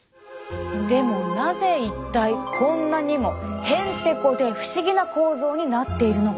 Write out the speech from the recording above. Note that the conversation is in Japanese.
でもなぜ一体こんなにもへんてこで不思議な構造になっているのか。